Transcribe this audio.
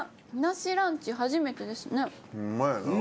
ホンマやな。